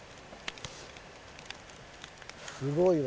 すごいわ。